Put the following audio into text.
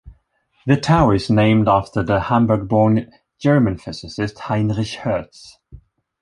The tower is named after the Hamburg-born German physicist Heinrich Hertz.